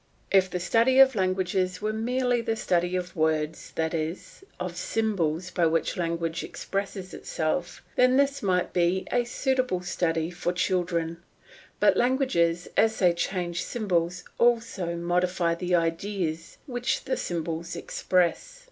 If the study of languages were merely the study of words, that is, of the symbols by which language expresses itself, then this might be a suitable study for children; but languages, as they change the symbols, also modify the ideas which the symbols express.